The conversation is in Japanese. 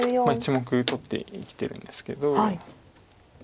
１目取って生きてるんですけど。